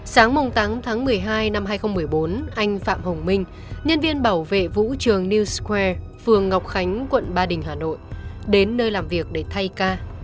sáng tám tháng một mươi hai năm hai nghìn một mươi bốn anh phạm hồng minh nhân viên bảo vệ vũ trường news cuare phường ngọc khánh quận ba đình hà nội đến nơi làm việc để thay ca